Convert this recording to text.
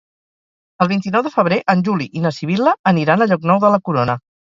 El vint-i-nou de febrer en Juli i na Sibil·la aniran a Llocnou de la Corona.